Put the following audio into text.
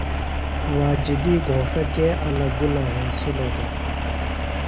واجدی گھوݜٹہ کے الہ گُلہ ہنسِلوۡ دےۡ؟